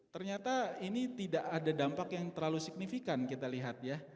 ternyata ini tidak ada dampak yang terlalu signifikan kita lihat ya